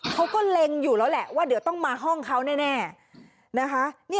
เขาก็เล็งอยู่แล้วแหละว่าเดี๋ยวต้องมาห้องเขาแน่นะคะ